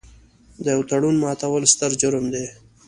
د یوه تړون ماتول ستر جرم دی.